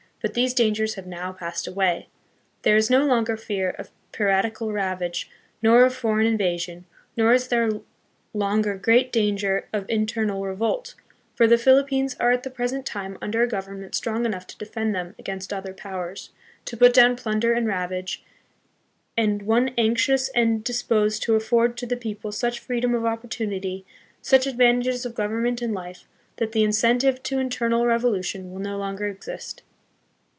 But these dangers have now passed away. There is no longer fear of piratical ravage nor of foreign invasion, nor is there longer great danger of internal re volt; for the Philippines are at the present time under a government strong enough to defend them against other powers, to put down plunder and ravage, and one anxious and disposed to afford to the people such freedom of op portunity, such advantages of government and life, that the incentive to internal revolution will no longer exist.